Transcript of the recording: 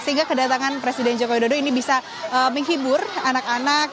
sehingga kedatangan presiden joko widodo ini bisa menghibur anak anak